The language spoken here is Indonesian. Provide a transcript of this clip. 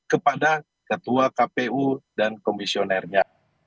kepada ketua kpu dan komisionernya